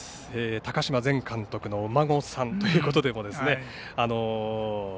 高嶋前監督のお孫さんということです。